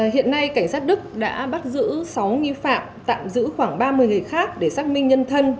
hiện nay cảnh sát đức đã bắt giữ sáu nghi phạm tạm giữ khoảng ba mươi người khác để xác minh nhân thân